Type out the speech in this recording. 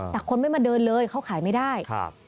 แต่คนไม่มาเดินเลยเขาขายไม่ได้ครับ